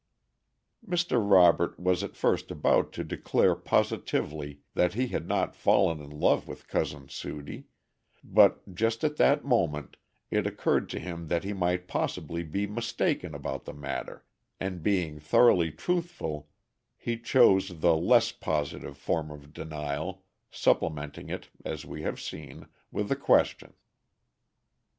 Mr. Robert was at first about to declare positively that he had not fallen in love with Cousin Sudie, but just at that moment it occurred to him that he might possibly be mistaken about the matter, and being thoroughly truthful he chose the less positive form of denial, supplementing it, as we have seen, with a question.